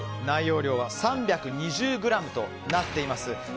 内容量は３２０ｇとなっています。